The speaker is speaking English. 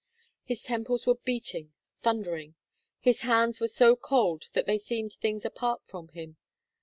His temples were beating, thundering. His hands were so cold that they seemed things apart from him.